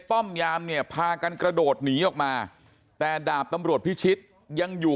ป้อมยามเนี่ยพากันกระโดดหนีออกมาแต่ดาบตำรวจพิชิตยังอยู่